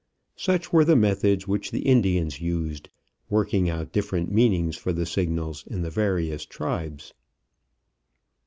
Such were the methods which the Indians used, working out different meanings for the signals in the various tribes.